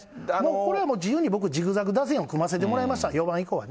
これはもう、自由に僕、ジグザグ打線を組ませてもらいました。